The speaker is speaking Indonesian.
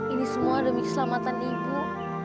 ini semua demi keselamatan ibu